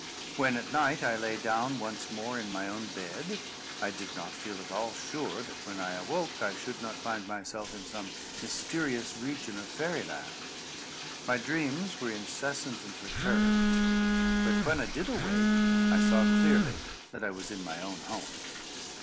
When, at night, I lay down once more in my own bed, I did not feel at all sure that when I awoke, I should not find myself in some mysterious region of Fairy Land. My dreams were incessant and perturbed; but when I did awake, I saw clearly that I was in my own home.